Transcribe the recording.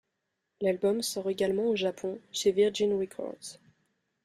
L'album sort également au Japon chez Virgin Records.